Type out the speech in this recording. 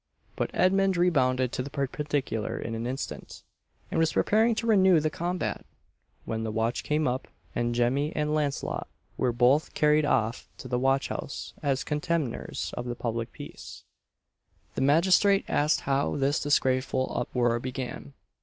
But Edmund rebounded to the perpendicular in an instant, and was preparing to renew the combat, when the watch came up, and Jemmy and Launcelot were both carried off to the watch house as contemners of the public peace. The magistrate asked how this disgraceful uproar began.